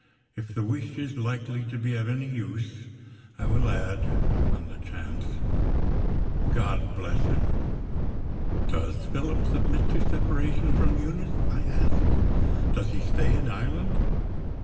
If the wish is likely to be of any use, I will add (on the chance) God bless him." "Does Philip submit to separation from Eunice?" I asked. "Does he stay in Ireland?"